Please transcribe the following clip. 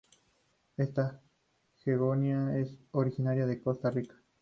Esta "begonia" es originaria de Costa Rica.